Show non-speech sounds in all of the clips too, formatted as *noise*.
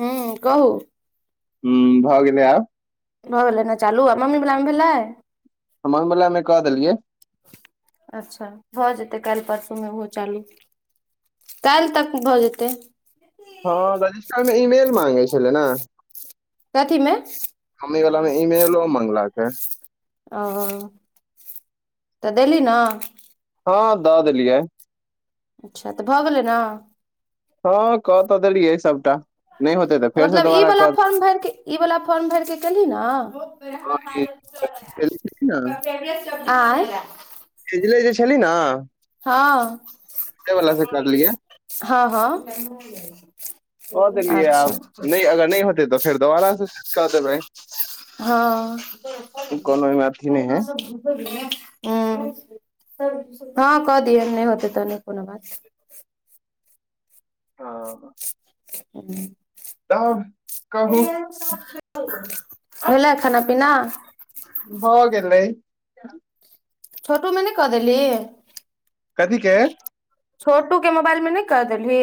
हुँ कहू हुँ भऽ गेलै आब भऽ गेलै नऽ चालू आ मामी वाला मे भेल‌ई हमर बला मे कऽ देलियै अच्छा भऽ जेतै काइल परसू मे ओहो चालू काइल तक भऽ जेतै हँ रजिस्टर मे ईमेल माँगे छलै नऽ कथीमे हमे वला मे इमेलो मांगलकै आ तऽ देली नऽ हँ दऽ देलियै अच्छा तऽ भऽ गेलै नऽ हँ कऽ तऽ देलियै सबटा नैय होतै तऽ तऽ फेरसँ मतलब ई दोबारा वला कऽ फॉर्म भैर कऽ ई वला फॉर्म भैर कऽ केलहि नऽ कऽ भेजली ने, आई भेजले जे छलही नऽ हँ करलियै हँ हँ अच्छऽ नय अगर नय होतै तऽ फेर दोबारा से कऽ देबै हँ कोनो ओहिमे अथी नहि हुँ है हँ कऽ दिहैन नय होतै तऽ नय कोनो बात हँ *unintelligible* तब कहू हो गलै खाना पीना भ गेलै। छोटू मे नय कह देलही? कथी गे? छोटू के मोबाइल मे नय क देल्ही?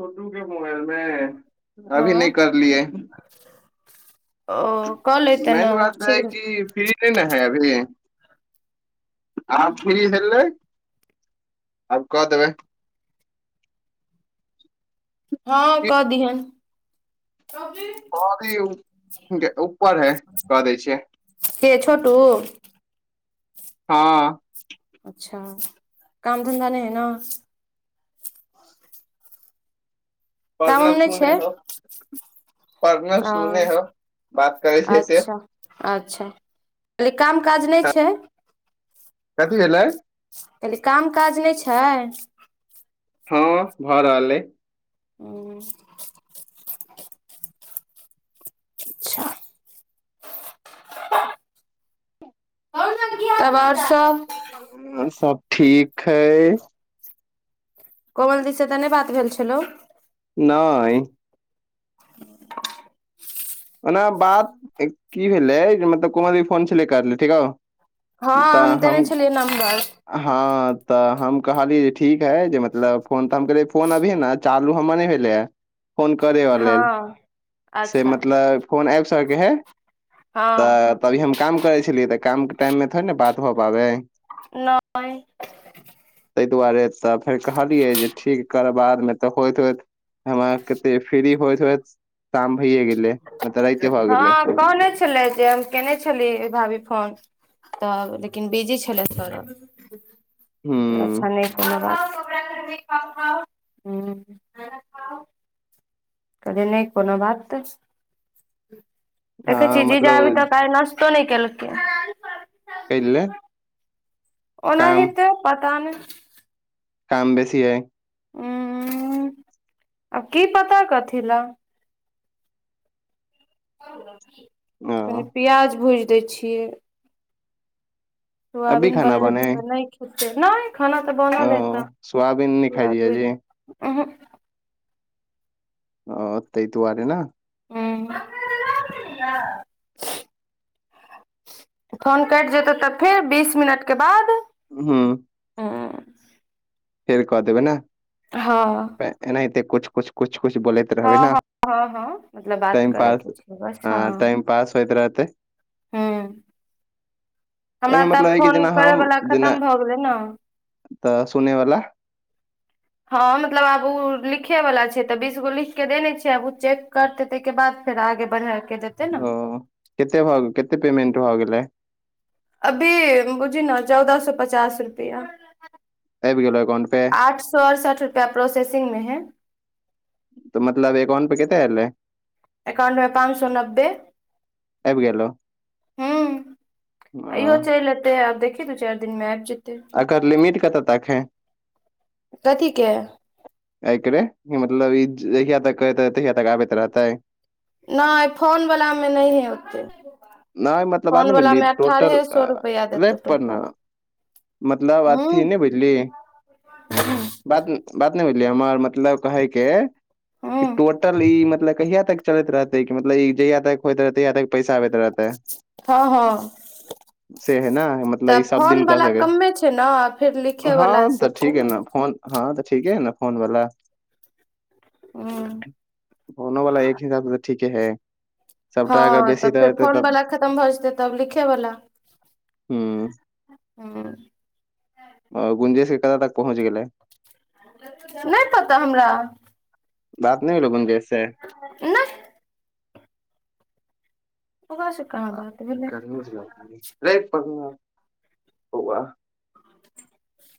छोटू के मोबाइल मे अभी हँ नय करलियै। ओ क लिते मेन ने बात है सीघ्र। कि फ्री नहि ने है अभी आ फ्री हेलै आब क देबै। हँ फिर कह दीहैं। *unintelligible* ऊपर है क दै छियै। के छोटू? हँ अच्छा काम धन्धा नहि है ने? काम उम पर्णव सुनै हव। अ हो बात करै छै से अच्छा। हाँ, अच्छा कली काम काज नहि छैय? कथी भेलै? कहली काम काज नहि छैय? हँ भ रहल आय। उ *unintelligible* तब आओर सब ह सब ठीक हय। कोमल दी से तऽ नैय बात भेल छेलौ? नय ओना बात की भेलै मतलब कोमल दी फोन छेलै करने ठीक हव हँ हम देने छेलियै नम्बर। हँ तऽ हम कहलिये ठीक हय जे मतलब फोन तऽ हम कहिय फोन अभी न चालू हमर नै भेलै या फोन करैय वा लेल। हँ अच्छा मतलब फोन आयब सकै है हँ तऽ त अभी हम काम करै छेलियै तऽ कामके टाइममे थोड़ी ने बात भ पाबै। नय तैय दुआरे तऽ फेर कहलियै जे ठीक कर बाद मे तऽ होयत- होयत हमरा कते फ्री होयत-होयत काम भैए गेलै। मतलब राइते भऽ गेलै हँ कहने छलै जे केने छेलियै भाभी फोन। तऽ लेकिन बिजी छेलैय सरभ। हूँ अच्छा नैय कोनो बात हु। करेनै कोनो बात हँ देखै छी जीजा अभी मतलब तक नश तो नैय केलकै। कै ले? ओनाहीते पता नैय। काम बेसी अय। उ-उ आ की पता कथि लए। ओ कनी प्याज भुइज दै छियै। अभी सुआबीन खाना बनलै बनै तऽ नै खेलकै नहि। खाना तऽ ओ बनल रहैत सोयाबीन नहि खाइ छियै सुआबीन जी उहु। ओ तै दुऽआरे न हु *unintelligible* फोन कैट जेतौ तऽ फेर बीस मिनट के बाद हँ फेर कऽ देबै न हँ एनाहिते कुछ- कुछ -कुछ- कुछ बोलैत कहबै हँ न हँ हँ हँ मतलब बात टैमपास करयके छै बस आ हँ टैमपास होइत रहतै हूं हमरा तऽ फोन करैयवला खतम भऽ गेलै न तऽ सुने वाला हम जौ आगू उ लिख लिखै वला छै त बीस गो लिख के देने छीयै आब ओ चेक करतै तैकेबाद फेर आगे बढ़ा के देतै ने ओ केते-केतेअ पेमेंट भऽ गेलै अभी बुझि न चौदह सौ पचास रुपया आइब गेलो एकाउंट पे आठ सौ अरसठ रुपया प्रोसेसिंग में हैय मतलब एकाउंट पे केते ऐलरहै एकाउंट मे पाँच सौ नब्बे आबि गेलो हु आ इहो चैल एतेै आ देख दू चार दिन मै आइब जिततै अकर लिमिट कतऽ तक हय कथीके एकरे मतलब ई जहिया तक करैतरहतैतहिया तक आबैत रहतै नहि फोनवलामे नहिए यतै नहि मतल टोटल सए रुपैआ देतौ रेट पर टोटल न मतलब अथी हूँ नैह बु बात-त नैह बुझली हमर मतलब कहैके हूँ टोटल ई मतलब कहिया तक चलैत रहतै कि मतलब इ जहिया तक टाईप हो इत रहतै तहिया तक पैसा आबैत रहतै ह ह से है न मतलब तऽ ई सब फोन दिन कऽ वलाा सकै कमे छै ने फेर लिखे वला सब छै है ने न फोन हँ तऽ ठीक है ने फोन वाला ऊह फोनो वाला एक हिसाब से तऽ ठीके है सबटा अगर बेसी दादेते तऽ ओवला खतम भऽ जेतै तब लिखे बला हूँ ह गुंजे श के कत तक पहुँच गेलै नहि पता हमरा बात नहि भेलो गुंजेश से नहि ओकरा से कहाँ बात भेलै गरमी ल रे प ओव *unintelligible* *inaudible*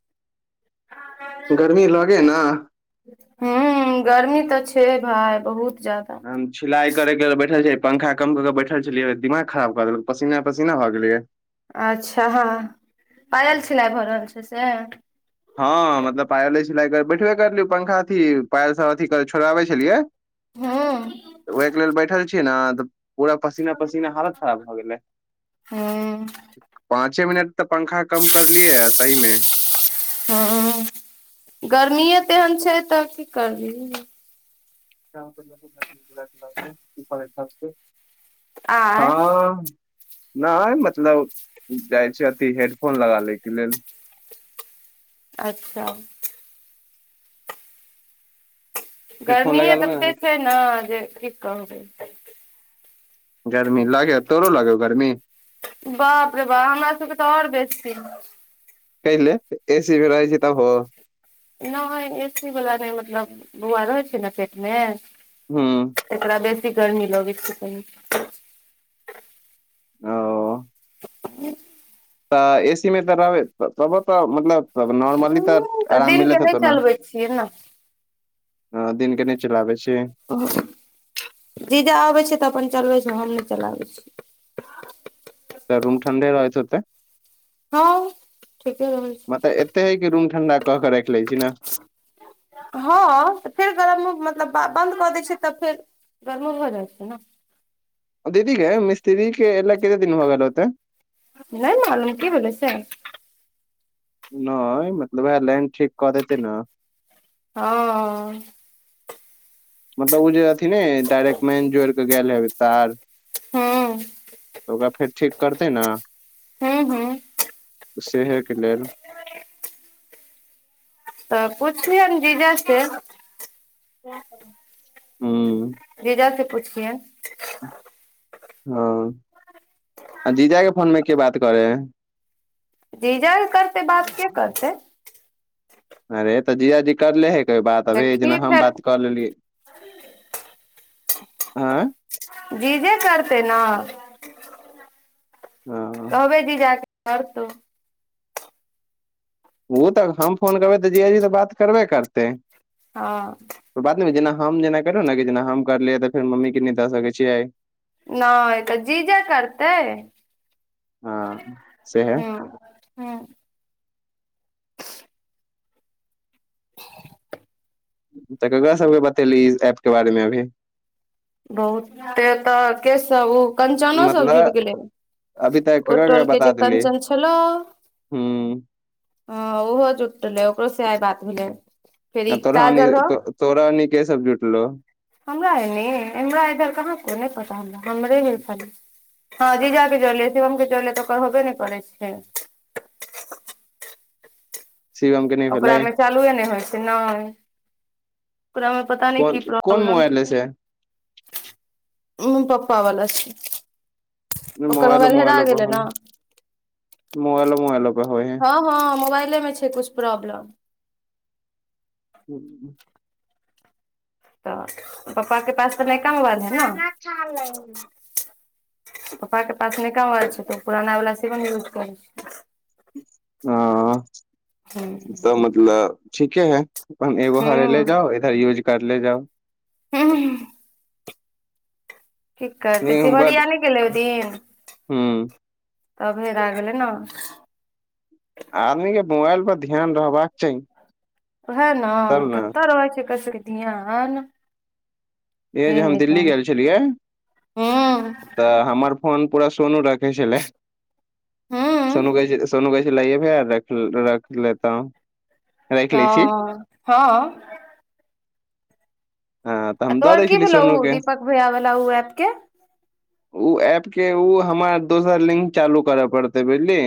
गरमी लगे है न ह गर्मी तऽ छै भााय बहुत ज्यदा छिलाई करे के बैठल छियै पखा कम क के बैठल छलियै दिमाग खरा बकऽ देलक पसीना पसीना भऽ गेलिये अच्छा हँ आय। आयल छलैघर आऔर छै से हँ मतलब पायले सिलाइ कर बैठबे करलियै पंखा अथी पायल सब अथ छोड़ाबे छलियै हँ *unintelligible* ओहिके लेल बैठल छी ने पूरा पसीना पसीना हालत खराब भए गेलै हूँ पाँचे मिनट तऽ पंखा कम करलियै तहिमे। गर्मीेये तेहन छैय तऽ की करबिहि। *unintelligible* आय हँ नहि मतलब जाइ छी अथी हेडफोन लगा लै के लेल। अच्छा हेडफोन लगा गर्मीेये लेबै ततेक हय ने जे की कहबै। गर्मी लागे तोरू लागय हव गर्मी? बाप रे बा हमरा सबके तऽ आओर बेसी। कहि लेल एसीमें रहै छी तऽब हो। नहि एसी वला नहि मतलब बौआ रहै छैय ने पेट मे हूँ तेकरा बेसी गर्मी लगैत छैय कनी। ओ *inaudible* तऽ एसी मे तऽ रहबै तबो तऽ मतलब म नॉर्मली तऽ हूँ आराम दिनके मिलैत नहि होतो ने। चलबै छियै ने ह दिनके नहि चलाबै छीही। जीजा आबै छैय तऽ अपन चलबै छैय हम नहि चलाबै छी। तऽ रूम ठंडे रहै हेतै हँ ठीके रहै छै मत एते हय के रूम ठंडा क के राखि लै छी ने। हँ फेर गरम मतलब बन्द कऽ दै छीयै तऽ फेर गरमो भ जाइ छैय ने। दीदीे गे मिस्त्री के एला कतेक दिन हो गेल हेतै। नहि मालूम की भेलै से? नहि मतलब उएह लाइन ठीक कऽ देतै ने। हँ अऽ मतलब ओ जे अथी ने डायरेक्ट मेन जोड़ कऽ गेल हेबय तार। हूँ ओकरा फेर ठीक करतै ने। हूँ हूँ सेहे के लेलऽ। *inaudible* तऽ पुछयैन जीजा से। हूं जीजा से पुछियैन। ओ आ जीजा के फोन में के बात करय हैय? जीजा करतै बात के करतै। अरे तऽ जीजाजी करले हय कभी बात अभी जेना देखी हम फेर बात कऽ लेलियै हँ। जीजे करतै न, हँ कहबै जीजा के करतौ ओ तऽ हम फोन करबै तऽ जीजाजी तऽ बात करबे करतै। हँ बात नै जेना हम जेना करब ने कि जेना हम करलियै तऽ फेर मम्मी के नै दऽ सकैत छियै। नय तऽ जीजे करतै हँ सेहे हूं। हुँ *unintelligible* तऽ ककरा सबके बतेलही एप के बारे मे अभी बहुते तऽ के सब ओ कंचनो सब जुड़ मतलब गेलै अभी तक ओई ककरा ककरा टोलके जे बता देली कंचन छेलाऽ हूं हँ ओहो जुटलै ओकरो से आइ बात भेलै फेर ई तोरा ओनी काजल हॅ तो, तोरा अनि के सब जुटलौ हमरा एने हमरा इधर कहाँ कोई नै पता हमरा हमरे हैय खाली हँ जीजा के जोड़ले, शिवम के जोड़ले तऽ ओकर होबे नऽ करै छै शिवम के नहि ओकरा भेलै में चालुए नैय होइ छै नय ओकरा मे पता नै कोन की कोन प्रॉब्लम मोबाइल है छैय से उऽ पप्पा वाला छै, ओकर मोबाइलो मोबाइल हेरा गेलै नऽ मोबइलो मोबइले कऽ हो हइ हँ हँ मोबाइले मे छै कुछ प्रॉब्लम *unintelligible* तऽ पप्पा कऽ पास तऽ नयका मोबाइल हैय नऽ पप्पा के पास नयका मोबाइल छै तऽ पुराना वाला शिवम यूज करै छै हँ छै तऽ मतलब ठीके हैय ओनहर एगो हरेले हूँ जाउ इधर यूज करले जाउ *unintelligible* की करतै नहि हम बड सिमरिया नैय गेलै ओय दिन ह तबे हेरा गेलै नऽ आदमी कऽ मोबाइल पर ध्यान रहबाक चाहि ओहे नऽ कतऽ रहै छै एकर सब के ध्यान इहे जे से हम नय दिल्ली जान गेल छलियै हूँ तऽ हमर फोन पूरा सोनू राखय छैला हूँ सोनू हँ कहै छै सोनू कहै छैला *unintelligible* रख रख लेता हू हँ हाँ हँ तऽ आ हम दऽ तोहर दै की छलियै भेलौ सोनू उऽ के दीपक भैया वाला उऽ ऐप के उऽ एप के उऽ हमरा दोसर लिंक चालू करऽ पड़तै बुझलि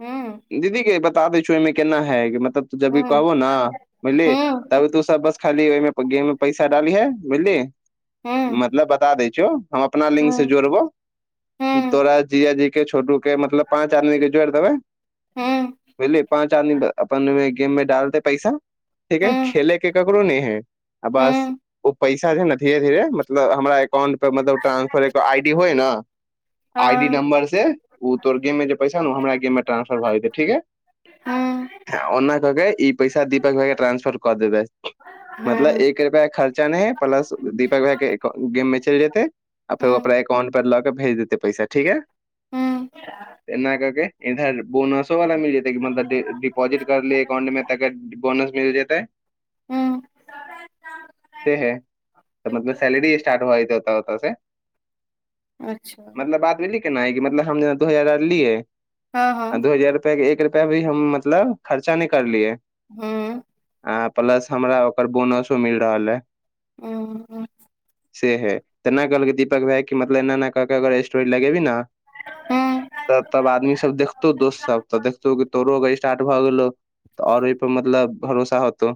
हुँ दीदी गे बता दै छियो एहिहिमे केना है मतलब जब भी हूँ कहबो नऽ बुझलिी हूँ ताबे तू सब बस खाली ओहिमे गेम मऽ पैसा डाली है बुझली हूँ मतलब बता दै छियौ हम अपना लिंक हूँ से जोड़बौ हूँ तोरा जीजाजी के छोटू के मतलब पाँच आदमी के जोड़ी देबै हूँ बुझलियै पाँच आदमी के अपन गेम में डाल तऽ पैसा ठीक है हूँ खेले के ककरो नहि है आ बस हूँ ओ पैसा जे नऽ धीरे धीरे मतलब हमरा अकाउंट पर मतलब ट्रांसफर एगो आई डी होइ नऽ आई डी हँ नंबर से ओ तोर गेम मे जे पैसा ने ओ हमरा गेम टरानंसफर भए जतै ठीक है हँ ओना कहके ई पैसा दीपक भाई कऽ टरानंसफर कर देबै मतलब हँ एक एको रुपआ खर्चा नहि है प्लस दीपक भइ के गेम मऽ चल जेतै आ फेर ओ हँ अपना एकाउंट पर लऽ के भेज देते पैसा ठीक है हँ एना कऽ के इधर बोनसो वाला मिल जेताै कि मतलब दिपोजिट कर लिय अऽ एकाउंट मे त बोनस मिल जेताै हँ से है तऽ मतलब सैलरी स्टारट भऽ जेतेय हता होत से अच्छा मतलब बात बुझली केना ह कि मतलब हम दू हजार लिै हँ हँ दू हजार अबतक हम एक रुपआ भी हम मतलब खर्चा नहि करलियै हू आ प्लस हमरा ओकर बोनसो मिल रहल है *unintelligible* से है तऽ नहि कहलक दीपक भााय के मतलब एना ने कहके अगर स्टोरी लगेबी ने हँ तऽ तब आदमी सब देखतौ दोस्त सब तऽ देखतौ कऽ तोरोग स्टार्ट भए गेलौ तऽ आओर ओहिपर मतलब भरोसा होतौ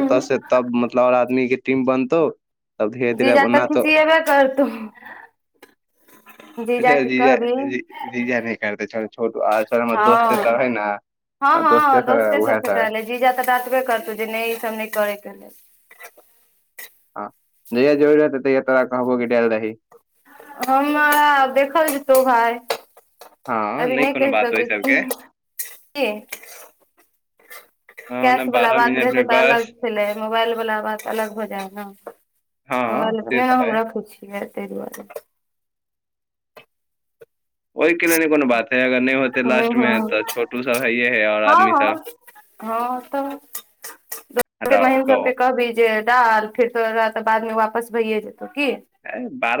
ओतऽ सऽ तब मतलब आओर आदमी के टीम बनतौ तब धीरे धीरे जीज अब तऽ ओना तो खिसियेबे करतो *inaudible* अच्छा जी कहबी जीजा नऽ करते छोरू और सब हमर दोस्ते सब है हँ नऽ हँ हँ दोस्ते सबसँ कहले जीजा तऽ डटबे करतौ जे नहि ई सब नहि करै कऽ लैल हँ जहिया जरुररी हतै तहिया तोरा कहबो कि डाईल दिही हमरा देखल जेतौ भााय हँ अभी नहि कोनो कहि बात ओहि सकै छी सबके कि हँ ओना कैश वला बारह बात मिनट में रहतै तऽ अलग बस छलै मोबाइल वला बात अलग हो जाय हेय नऽ हँ मोबाइल नहि से नऽ तऽ हम है रखैय छिये ताहि दुआरे ओहि के लेल नहि कोनो बात है अगर नहि होते हँ लास्ट मे हँ तऽ छोटू सब हइये है आओर हँ आदमी हँ सब हँ तऽ दोसे हटाओ महीम गो सबके कहभी जे डाल फेरो तोरा तऽ बाद मे वापस भैए जेतौ की बारह *unintelligible*